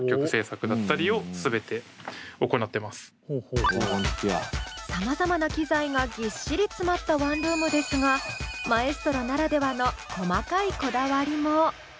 狭いですけどさまざまな機材がぎっしり詰まったワンルームですがマエストロならではの細かいこだわりも。